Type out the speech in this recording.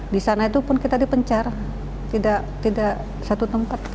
di sana itu pun kita dipencar tidak satu tempat